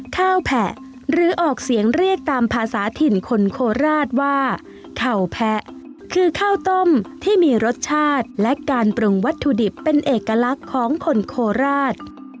แผะหรือออกเสียงเรียกตามภาษาถิ่นคนโคราชว่าเข่าแพะคือข้าวต้มที่มีรสชาติและการปรุงวัตถุดิบเป็นเอกลักษณ์ของคนโคราช